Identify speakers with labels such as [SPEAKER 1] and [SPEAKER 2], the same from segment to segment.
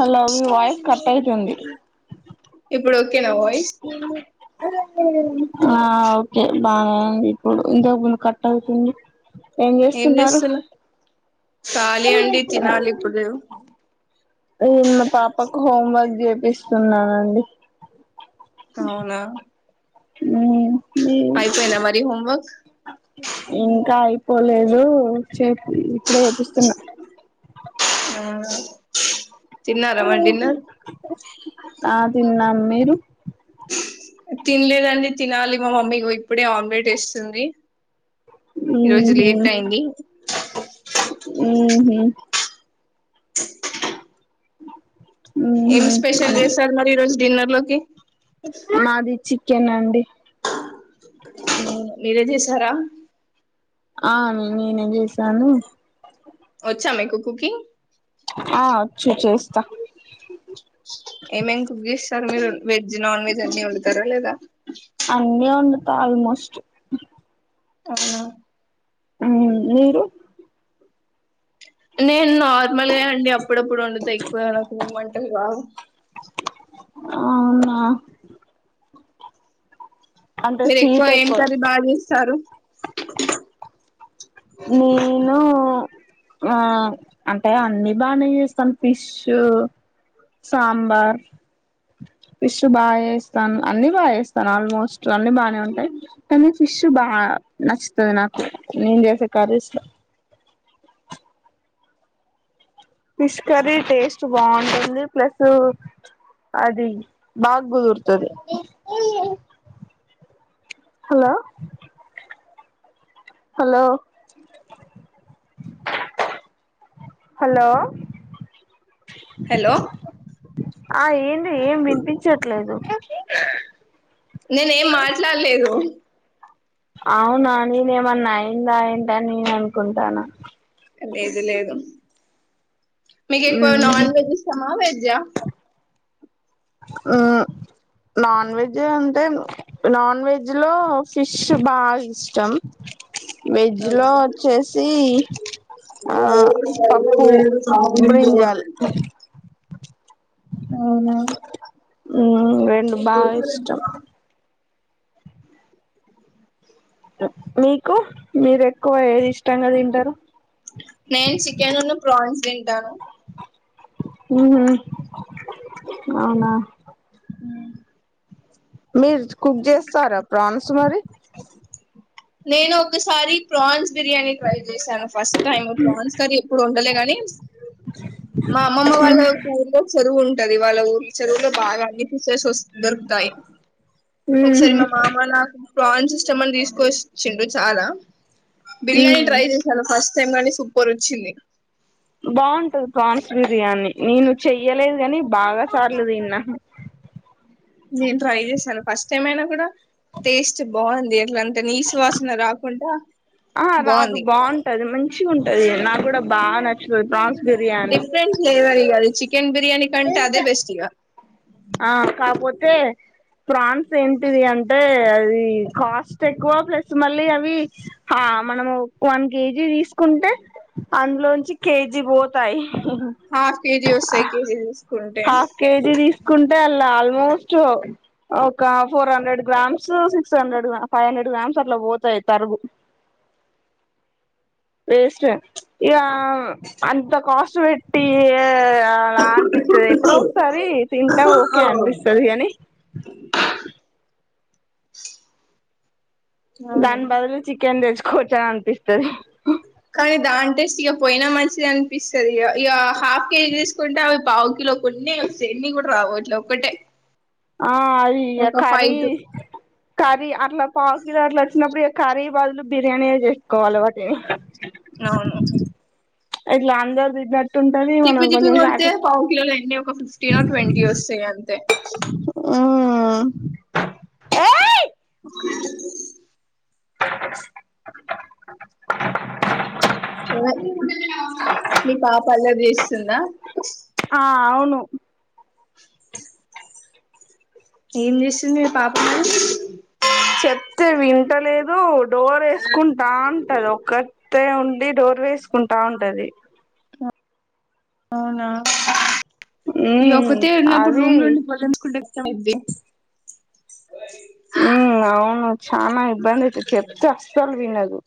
[SPEAKER 1] Hello అవి voice cut ఐతుంది.
[SPEAKER 2] ఇప్పుడు ఒకేనా వాయిస్
[SPEAKER 1] ఆ ఓకే బా [unintelligible] ప్పుడు ఇంతకుముందు కట్ట్ అవుతుంది. ఏం జేస్సున్నారు.
[SPEAKER 2] ఖాళీ అండి తినాలి ఇప్పుడు
[SPEAKER 1] ఇ మా పాపకు హోమ్ వగ్గ్ జేపిస్సున్నానండి.
[SPEAKER 2] అవునా
[SPEAKER 1] ఉ మీఉ,
[SPEAKER 2] అయిపోయిందా మరి హోంవర్క్
[SPEAKER 1] ఇంకా ఇ పోలేదు చేపి ఇప్పుడే ఏపిస్సున్నా
[SPEAKER 2] చిన్నార మరి డిన్నర్
[SPEAKER 1] ఆ తిన్నాం మీరు
[SPEAKER 2] తిన్లేదండి తినాలి మా మమ్మీ ఇగో ఇప్పుడే ఆమ్లెట్ ఎస్సుంది. ఈ రోజు
[SPEAKER 1] ఉహు
[SPEAKER 2] లేట్ అయింది.
[SPEAKER 1] హు హు
[SPEAKER 2] ఏం
[SPEAKER 1] ఉహు
[SPEAKER 2] స్పెషల్
[SPEAKER 1] అని
[SPEAKER 2] చేస్సారు మరి ఈ రోజ్ డిన్నర్ లోకి
[SPEAKER 1] మాది చికెన్ అండి.
[SPEAKER 2] మీరే చేసారా
[SPEAKER 1] ఆ మిమి నేన్ చేసాను.
[SPEAKER 2] వచ్చా మీకు కుకింగ్
[SPEAKER 1] ఆ చ్చు చేస్ త్త
[SPEAKER 2] ఏమేం కుక్ చేస్సారు మీరు వెజ్, నాన్ వె చట్నివండుతారలేేదా
[SPEAKER 1] అన్నీ వండ్ ఆల్మోస్ట్
[SPEAKER 2] అవునా
[SPEAKER 1] హు, మీరు
[SPEAKER 2] నేను నార్మలే అండి అప్పుడప్పుడు వండుత ఎక్కువ నాకు వంటల్ రావు.
[SPEAKER 1] ఔనా.
[SPEAKER 2] మీరు
[SPEAKER 1] స్వీట్
[SPEAKER 2] ఎక్కువుగ ఏం
[SPEAKER 1] ఎక్కువ
[SPEAKER 2] కర్రీ బా చేస్సారు. పటికా
[SPEAKER 1] నేను ఆ అంటే అన్ని బానే చేస్తాను ఫిష్, సాంబార్, ఫిష్ బాగా చేస్తాను. అన్ని బాగా చేస్తాను. ఆల్మోస్ట్ అన్ని బానే ఉంటాయి కానీ, ఫిష్ బా నచ్చుతుంది. నాకు నేను చేసే కర్రీ సులో ఫిష్ కర్రీ టేస్ట్ బావుటుంది. ప్లస్ అది బాగ కుదురుతది. హలో హలో హలో
[SPEAKER 2] హలో
[SPEAKER 1] ఆ ఏన్ ఏం వినిపించట్లేదు
[SPEAKER 2] నేనే ఏం మాట్లాడ లేదు
[SPEAKER 1] అవునా నేనేమన్నా అయిందా ఏంటని నేను అనుకుంటాన
[SPEAKER 2] లేదు లేదు మీకు ఎక్కువ నాన్ వెజ్ ఇష్టమా వెజ్ జా
[SPEAKER 1] అ నాన్ వెజ్ అంటే నాన్ వెజ్ లో ఫిష్ బాగ ఇష్టం. వెజ్ లో వచ్చేసి ఆ పప్పు బ్రింజాల్ చ్
[SPEAKER 2] అవునా
[SPEAKER 1] ఉ రెండు బాగా ఇష్టం మీకు మీరె
[SPEAKER 2] నేను చికెనును ప్రాన్స్ తింటాను
[SPEAKER 1] ఉహ్ అవునా మీరు కుక్ చేస్తారా ప్రాన్స్ మరి
[SPEAKER 2] నేను ఒకసారి ప్రాన్స్ బిర్యానీ టై చేసాను ఫస్ట్ టైం ప్రాన్స్ కర్రీ ఎప్పుడు వండలే కాని మా అమ్మమ్మ వాళ్ళ ఊర్లో కొ ఉంటది వాళ్ళ ఊరి చెరువులో బాగా అన్ని పిసెస్ దొరుకుతాయి. ఒకసారి మా మామ ల్ల ప్రాన్సిస్ మళ్ళ తీసుకొచ్చిండు చాలా బిర్యానీ ట్రై
[SPEAKER 1] ఉ
[SPEAKER 2] చేశాను ఫస్ట్ నిజంగానే సూపరచ్చింది
[SPEAKER 1] బాగుంటది ప్రాన్స్ బిర్యానీ నేను చెయ్యలేదు కాని బాగా సార్లు తిన్న
[SPEAKER 2] నేను ట్రై చేశాను ఫస్ట్ టైం అయినా కూడా టేస్ట్ బాగుంది అలా అంట నీసువాసన రాకుండా బాగుంది
[SPEAKER 1] మంచిగ ఉంటది నాకు కూడా బాగా నచ్చ
[SPEAKER 2] డిఫరెంట్ ఫ్లేవర్ చిక్ చికెన్ బిర్యానీ కంటె అదే బెస్ట్ ఇవ
[SPEAKER 1] ఆ కాపోతే ఫాన్స్ ఎంతది అంత అంట అది కష్టట్ ఎక్కువ బ మళ్ళీ అవిా మనము వన్ కేజీ ఇ తీసుకుంటే అ చి కేజీ బో
[SPEAKER 2] హాఫ్ కేజీ వస్తాయి కేజీ తీసుకుంటే
[SPEAKER 1] హాఫ్ కేజీ తీ కుంటే అలా ఆల్మోస్ట్ ఒక four hundred grams six hundred five hundred grams అట్లా పోతాయి తరుగు వేస్ట్ ఇ అంత కాస్ట్ పెట్టి అలా అనిపిస్తుది ఎప్పుడో ఒకసారి తింటా ఓకే అనిపిస్తుది అని
[SPEAKER 2] అవును
[SPEAKER 1] దాని బదులు చికెన్ తెచ్చుకోవచ్చని అనిపిస్తుంది
[SPEAKER 2] టెస్ట్ ఇక పోయినా మంచిది అనిపిస్తుంది ఇక హాఫ్ కేజీ తీసుకుంటే అవి పాావు కిలో కొన్ని వస్తాన్ని కూడా రావు ఇట్లా ఒకటే
[SPEAKER 1] ఆ ఈవి కరి కారి పాల చిన్నప్పుడ కఖరీ బాదులు బిర్యానీక్కువ అలవాటిేని
[SPEAKER 2] అవును
[SPEAKER 1] ఎట్లా అందాజ వి నా
[SPEAKER 2] తటిపీ తటిపిపీ వడితే పావు కిలలో ఎడి ఒక ఫ టీన్ ట్వంటీ వస్తాయిడి అంతే
[SPEAKER 1] ఏ కే
[SPEAKER 2] నీ పాపల్లో తీస్తుంద
[SPEAKER 1] ఆ అవును
[SPEAKER 2] ఏం చేస్తుంది మీ పాప
[SPEAKER 1] చెప్తే వింటలేదు డోర్ వేసుకుంటా ఉంటది ఒక్కటే ఉండి డోర్ వేసుకుంటా ఉంటది
[SPEAKER 2] అవున ఈ
[SPEAKER 1] ఉమ్
[SPEAKER 2] ఒక్కతేన్నప్పుడు
[SPEAKER 1] అది
[SPEAKER 2] రూమ్ లోండి బలంచుకుంటే దది
[SPEAKER 1] ఉ అవును చనా ఇబ్బందితి చెప్తే అస్సలు వినదు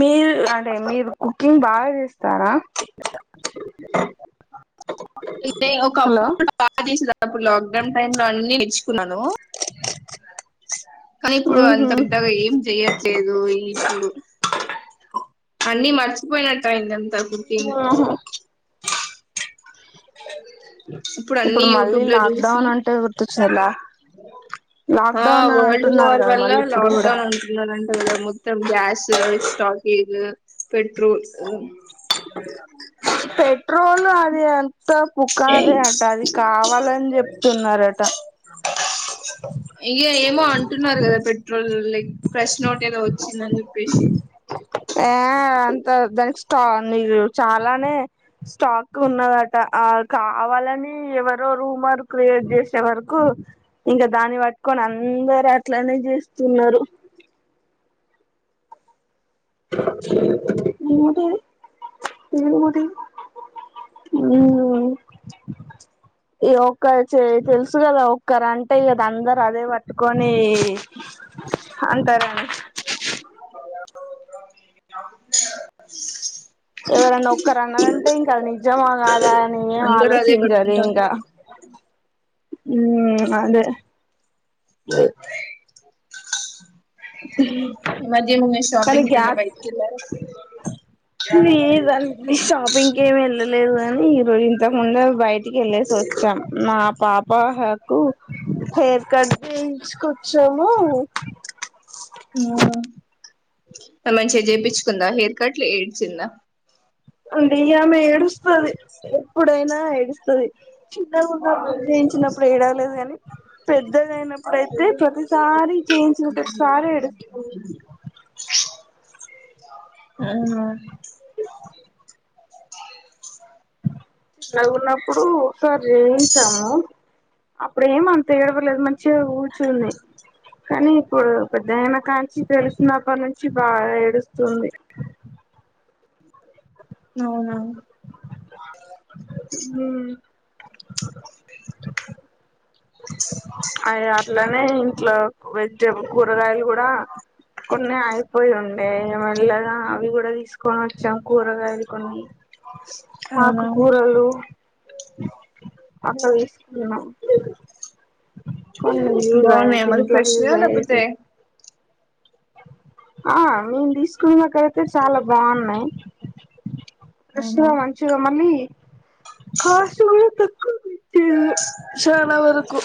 [SPEAKER 1] మీరు అంటే మీరు కుకింగ్ బాగా చేస్తారా
[SPEAKER 2] ఇదే ఒక
[SPEAKER 1] హలో
[SPEAKER 2] అప్పుడు బాగా చేసేది అప్పుడు లాక్డౌన్ టైమ్ లో నేర్చుకున్ కున్నాను కానీ ఇప్పుడు అంత
[SPEAKER 1] ఉహు
[SPEAKER 2] బేద్దగా ఏం చెయ్యట్లేదు ఇప్పుడు అన్ని మర్చిపోయినట్టు అయిందండి తగ్గు కింగ్
[SPEAKER 1] ఇప్పుడు
[SPEAKER 2] అన్ని
[SPEAKER 1] మళ్ళీ
[SPEAKER 2] యూట్యూబ్ లో చూసి
[SPEAKER 1] లాక్డౌన్ అంటే గుర్తొచ్చందిలా
[SPEAKER 2] ఆ
[SPEAKER 1] లాక్డౌన్ అని
[SPEAKER 2] వరల్డ్
[SPEAKER 1] అంటున్నారు
[SPEAKER 2] వార్
[SPEAKER 1] కదా
[SPEAKER 2] వల్ల
[SPEAKER 1] మళ్ళీ ఇప్పుడు కూడా
[SPEAKER 2] లాక్డౌన్ అంటున్నారంట కదా మొత్తం గ్యాస్ స్టాకేజ్ పెట్రోల్
[SPEAKER 1] స పెట్రోలు అది ఎంత పుకారే అట అది కావాలని చెప్తున్నారట
[SPEAKER 2] ఇక ఏమో అంటున్నారు కదా పెట్రోల్ లైక్ ప్ర్రెష్ నోట్ ఏదో వచ్చిందని చెప్పేసి
[SPEAKER 1] ఆ అంత ఉంద్ స్ నీకు చాలానే స్టాక్ ఉన్నదట ఆ కావాలని ఎవరో రూమర్ క్రియేట్ చేసే వరకు ఇంకా దాన్ని పట్టుకొని అందర అట్లనే చేస్తున్నారు టిటి ఈ ఒ తెలుసు కదా ఒక్కరు అంటే కద అందరు అదే పట్టుకొని అంటారండి ఎవరన్నా ఒక్కరు అన్నారంటే ఇంకా అది నిజమా కాదా ఏం
[SPEAKER 2] అందరూ అదే కట్టుకుంటారు
[SPEAKER 1] ఆలోచించించరన్కా ఉమ్ అదే
[SPEAKER 2] ఈ మధ్య ఏమైనా
[SPEAKER 1] కానీ
[SPEAKER 2] షాపింగ్ కేటన్న
[SPEAKER 1] గ్యాస్
[SPEAKER 2] బయటికి కెల్లారా
[SPEAKER 1] లేదండి షాపింగ్కి ఏమి వెళ్ళలేదు గానీ ఇగో ఇంతకుందు బయ ఇక వెళ్ళసి వచ్చాం నా పాపకు హెయిర్ కట్ చేయించుకొచ్చాము
[SPEAKER 2] మంచిగ చేపిచుకుందా హెయిర్ కట్ ఏడ్చిందా
[SPEAKER 1] ఉంది ఇగ ఆమె ఏడుస్తూ టుది ఎప్పుడైనా ఆ ఎడుస్తది చిన్నగ ఉన్నప్పుడు జేయించినప్పుడు ఏడవలేదు కాని పెద్దగ అయినప్పుడుయితే ప్రతిసార జేయించినప్పుడు ప్రతిసారి ఏడుతది
[SPEAKER 2] ఆ
[SPEAKER 1] చిన్నగున్నప్పుడు ఒకసారి జేయించాము అపుడే మన్ తేడవలేదు మంచిగ కూర్చుంది కానీ ఇప్పుడు పెద్దగైనకన్ చి తెలిసినప్పడి నుంచి బాగా ఏడుస్తుంది
[SPEAKER 2] నవునా
[SPEAKER 1] ఊళ్ళే అవి అట్లనే ఇంట్ల వెజిటబుల్ కూరగాయలు గూడా కొన్ని అయిపోయి ఉండే ఇగ మెల్లగా అవి కూడ్ తీసుకో అన్ చం కూరగాయలు కొన్ని
[SPEAKER 2] అవునా
[SPEAKER 1] ఆకుకూరలు అట్ల తీసుకున్నాం కొన్ని యూజ్
[SPEAKER 2] బాగున్నాయా
[SPEAKER 1] అయ్యేటి
[SPEAKER 2] మరి
[SPEAKER 1] ఇంట్లోకి
[SPEAKER 2] ఫ్రెష్ గా
[SPEAKER 1] యూజ్
[SPEAKER 2] లేకపోతే
[SPEAKER 1] అయ్యేటివి ఆ నేను తీసుకునే అక్ ఇక్కడైతే చాలా బాగున్నాయి ఫ్రెష్
[SPEAKER 2] అవును
[SPEAKER 1] గా మంచిగ మళ్ళీ కాస్ట్ గుడా తక్కువ పెట్టిరు చానా వరకు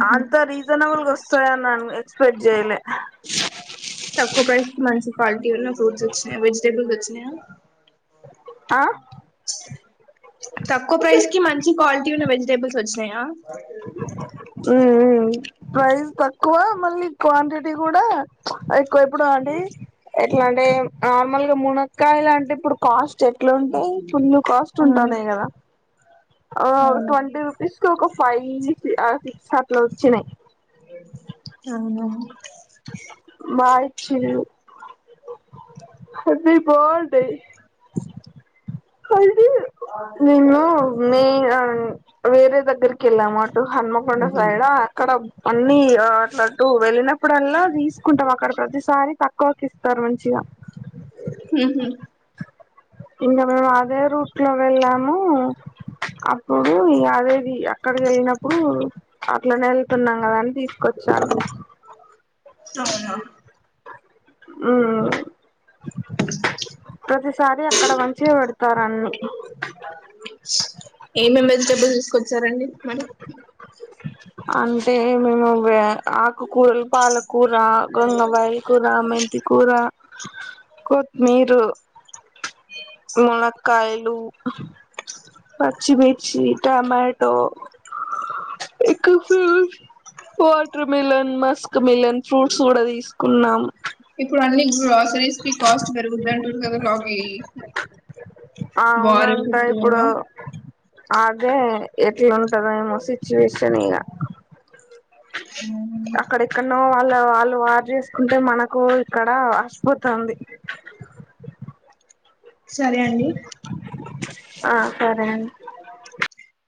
[SPEAKER 2] ఉహు
[SPEAKER 1] అంత రీజనబుల్ వస్తాయ అన్ ఎక్స్పెక్ట్ చేయలే
[SPEAKER 2] తక్కువ ప్రైస్ కి మంచి క్వాలిటీ ఉన్ను ఫ్రూట్స్ వచ్చినయ్ వెజటేబల్స్ వచ్ ఉన్నాయా
[SPEAKER 1] ఆ
[SPEAKER 2] తక్కువ ప్రైస్ కి మంచి క్వాలిటీ ఉన్న వెజిటేబుల్స్ వచ్చినాయా
[SPEAKER 1] ఉ ఉ ప్రైస్ తక్కువ మళ్ళీ క్వాంటిటీ గూడా ఎక్కువ ఇప్పుడు అండి ఎట్లా అంటే నార్మల్గా మునక్కాయ లాంటే ఇప్పుడు కాస్ట్ చెట్లు ఉంటే ఫుల్లు కాస్ట్
[SPEAKER 2] అవును
[SPEAKER 1] ఉంటానే గదా ఆ
[SPEAKER 2] అవును
[SPEAKER 1] ట్వంటీ రూపీస్ కి ఒక ఫైవ్ ఆ సిక్స్ అట్ల వచ్చినాయి
[SPEAKER 2] అవును
[SPEAKER 1] మాయిచిల్లు అది బాగుంటాయి కయ్ నేను మేర ని వేరే దగ్గర కి వెళ్ల మాట్ టు హన్మకొండ సైడ్ అక్కడం అన్ని అట్లా టు వెళ్ళినప్పుడల్లా తీసుకుంటాం అక్కడ ప్రతిసారి తక్కువకి ఇస్తారు మంచిగా
[SPEAKER 2] ఉహు
[SPEAKER 1] ఇన్ మే అదే రూట్ లో వెళ్ళా అప్పుడు అదే అది అక్కడికి వెళ్ళినప్పుడు అట్లనే వెళ్తున్నాం కదంీ తీ కొచను
[SPEAKER 2] అవునా
[SPEAKER 1] అ
[SPEAKER 2] అ
[SPEAKER 1] ప్రతిసారి అక్కడ వంచి పెడతారున్ని
[SPEAKER 2] ఏమేమి వెజిటేబుల్ తీసుకొచ్చారంండి మనం
[SPEAKER 1] అంటే మేము ఆకుకూరలు పాలకూర గంగ బయల కూూర మెంత కూూర కొత్మీరు ములక్కలు పర్చ్చిమిర్చి టమాటో ఇ ఫ watermelon muskmelon fruits కూడా తీసుకున్నాం
[SPEAKER 2] ఆ సరీస్ కి కాస్ట్ పెరుగుది అంటుారు కదా లాగ వార చుట్టు వల్ల
[SPEAKER 1] అే ఎ ఉంట సిచుేషన్ ఏగా
[SPEAKER 2] అ
[SPEAKER 1] వాళ్ళ వాళ్ళు వారు చేసుకుంటే మనకు ఇక్కడ అష్టపోతుంది
[SPEAKER 2] సరే అండి
[SPEAKER 1] ఆ సరే అండి